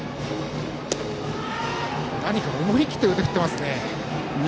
何か思い切って腕を振っていますね。